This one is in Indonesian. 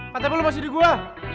pantai belom masih di gue